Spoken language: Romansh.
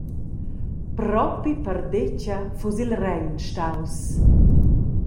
Propi perdetga fuss il Rein staus.